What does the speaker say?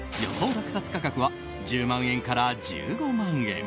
落札価格は１０万円から１５万円。